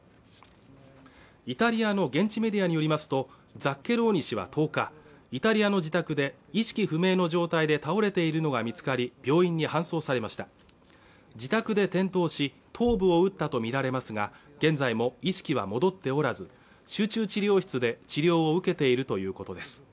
イタリアの現地メディアによりますとザッケローニ氏は１０日イタリアの自宅で意識不明の状態で倒れているのが見つかり病院に搬送されました自宅で転倒し頭部を打ったとみられますが現在も意識は戻っておらず集中治療室で治療を受けているということです